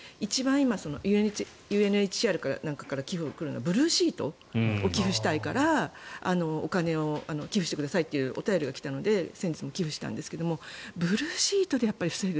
今、ＵＮＨＣＲなんかから寄付を送るのはブルーシートを寄付したいからお金を寄付してくださいというお便りが来たので先日も寄付したんですがブルーシートで防ぐ。